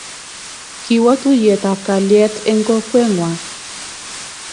kiwo tuyietab kalyet eng' kokweng'wang'